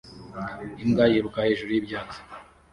imbwa yiruka hejuru y'ibyatsi